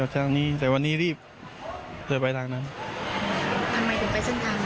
ไม่ใช่มีแค่สัญญาณไฟกระพริบเท่านั้นนะคะ